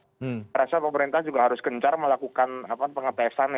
saya rasa pemerintah juga harus gencar melakukan pengetesan